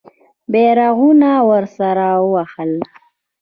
بیرغونه ورسره وهل.